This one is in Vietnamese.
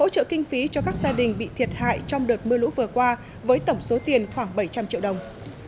hỗ trợ kinh phí cho các gia đình bị thiệt hại trong đợt mưa lũ vừa qua với tổng số tiền khoảng bảy trăm linh triệu đồng